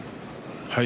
はい。